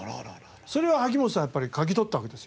それを萩本さんはやっぱり嗅ぎ取ったわけですよ。